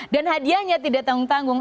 dan hadiahnya tidak tanggung tanggung